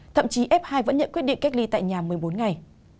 thậm chí f hai vẫn nhận quyết định cách ly tại nhà một mươi bốn ngày